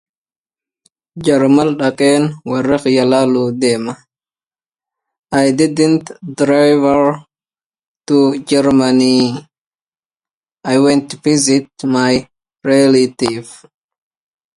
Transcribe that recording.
وآله وصحبه ذَوي النُهِى من بالكمال بلغوا هَامَ السُها